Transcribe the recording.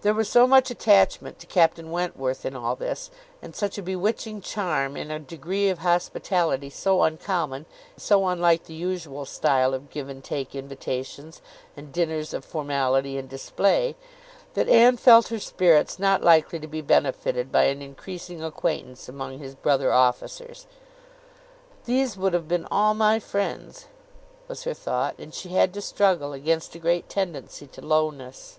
There was so much attachment to Captain Wentworth in all this, and such a bewitching charm in a degree of hospitality so uncommon, so unlike the usual style of give and take invitations, and dinners of formality and display, that Anne felt her spirits not likely to be benefited by an increasing acquaintance among his brother officers. "These would have been all my friends," was her thought; and she had to struggle against a great tendency to lowness.